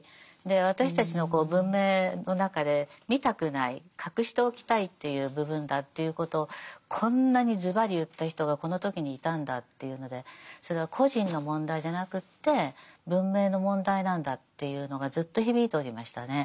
私たちの文明の中で見たくない隠しておきたいという部分だということをこんなにズバリ言った人がこの時にいたんだっていうのでそれは個人の問題じゃなくって文明の問題なんだっていうのがずっと響いておりましたね。